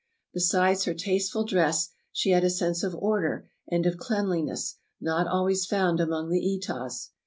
Be sides her tasteful dress she had a sense of order and of cleanliness, not always found among the Etahs.